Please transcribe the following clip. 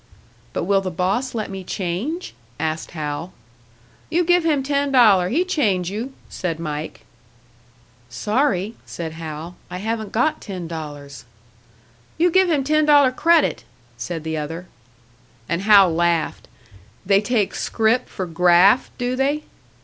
"But will the boss let me change?" asked Hal. "You give him ten dollar, he change you," said Mike. "Sorry," said Hal, "I haven't got ten dollars." "You give him ten dollar credit," said the other. And Hal laughed. "They take scrip for graft, do they?"